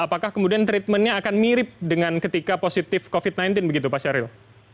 apakah kemudian treatmentnya akan mirip dengan ketika positif covid sembilan belas begitu pak syaril